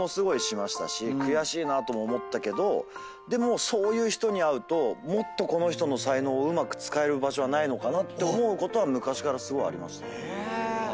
悔しいなとも思ったけどでもそういう人に会うともっとこの人の才能をうまく使える場所はないのかなって思うことは昔からすごいありました。